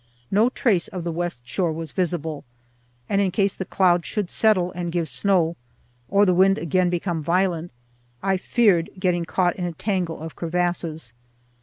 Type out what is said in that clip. No trace of the west shore was visible, and in case the clouds should settle and give snow, or the wind again become violent, I feared getting caught in a tangle of crevasses.